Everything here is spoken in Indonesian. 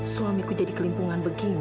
suamiku jadi kelimpungan begini